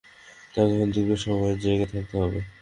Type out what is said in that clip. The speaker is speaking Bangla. তাকে এখন দীর্ঘ সময় জেগে থাকতে হবে।